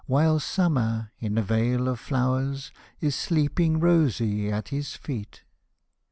While summer, in a vale of flowers. Is sleeping rosy at his feet.